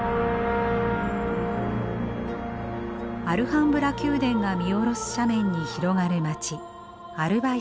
アルハンブラ宮殿が見下ろす斜面に広がる街